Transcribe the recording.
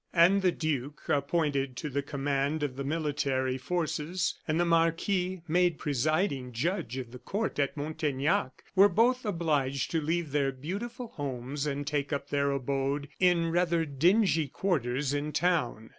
And the duke, appointed to the command of the military forces, and the marquis, made presiding judge of the court at Montaignac, were both obliged to leave their beautiful homes and take up their abode in rather dingy quarters in town.